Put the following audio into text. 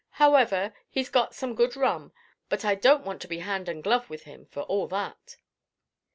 However, he's got some good rum; but I don't want to be hand and glove with him, for all that."